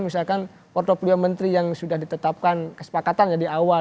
misalkan portfolio menteri yang sudah ditetapkan kesepakatannya di awal